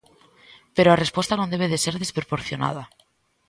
Pero a resposta non debe de ser desproporcionada.